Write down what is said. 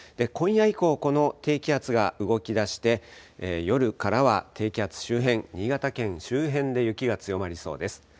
今夜以降この低気圧が動きだして夜からは低気圧周辺、新潟県周辺で雪が強まりそうです。